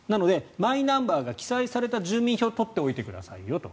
マイナンバーが記載された住民票を取っておいてくださいよと。